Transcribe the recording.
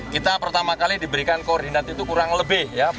kita pertama kali diberikan koordinat itu kurang lebih